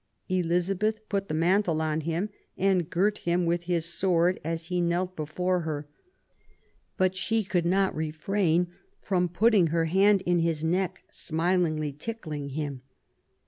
Elizabeth put the mantle on him and girt him with his sword, as he knelt before her; "but she could not refrain from putting her hand in his neck, smilingly tickling him